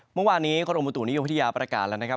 เมื่อวานี้คุณโอมทูนิยพัฒนณ์ประกาศล่ะนะครับ